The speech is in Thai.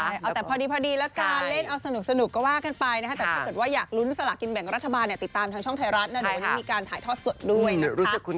เอาแต่พอดีแล้วกันเล่นเอาสนุกก็ว่ากันไปนะคะแต่ถ้าเกิดว่าอยากลุ้นสลากินแบ่งรัฐบาลเนี่ยติดตามทางช่องไทยรัฐนะเดี๋ยววันนี้มีการถ่ายทอดสดด้วยนะคะ